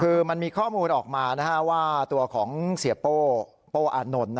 คือมันมีข้อมูลออกมาว่าตัวของเสียโป้โป้อานนท์